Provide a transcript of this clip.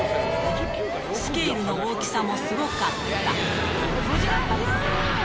スケールの大きさもすごかった。